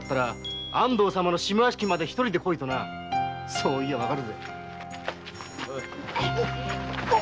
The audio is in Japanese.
そう言やわかるぜ。